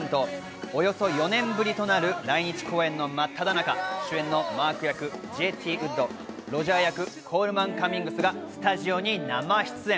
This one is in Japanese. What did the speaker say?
およそ４年ぶりとなる来日公演のまっただ中、主演のマーク役、Ｊ．Ｔ．ウッドとロジャー役、コールマン・カミングスがスタジオに生出演。